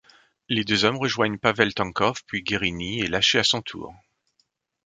Les deux hommes rejoignent Pavel Tonkov puis Guerini est lâché à son tour.